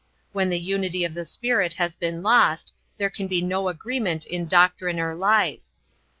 When the unity of the spirit has been lost there can be no agreement in doctrine or life.